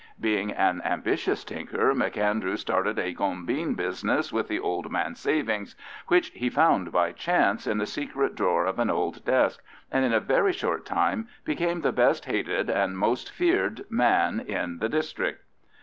Being an ambitious tinker, M'Andrew started a gombeen business with the old man's savings, which he found by chance in the secret drawer of an old desk, and in a very short time became the best hated and most feared man in the district.